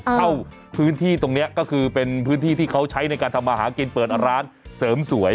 เข้าพื้นที่ตรงนี้ก็คือเป็นพื้นที่ที่เขาใช้ในการทำมาหากินเปิดร้านเสริมสวย